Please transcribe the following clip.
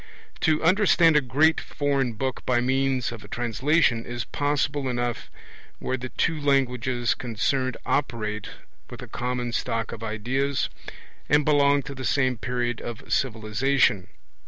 To understand a great foreign book by means of a translation is possible enough where the two languages concerned operate with a common stock of ideas, and belong to the same period of civilization.